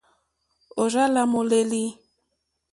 Òrzì lá môlélí.